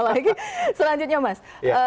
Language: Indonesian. lagi selanjutnya mas